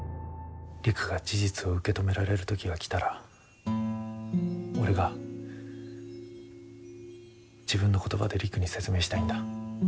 璃久が事実を受け止められる時が来たら俺が自分の言葉で璃久に説明したいんだ。